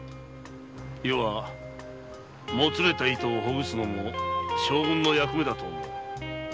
余はもつれた糸をほぐすのも将軍の役目だと思う。